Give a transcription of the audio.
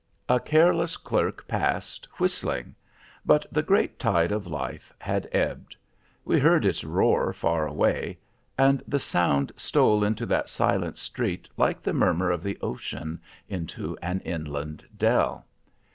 A careless clerk passed, whistling. But the great tide of life had ebbed. We heard its roar far away, and the sound stole into that silent street like the murmur of the ocean into an inland dell.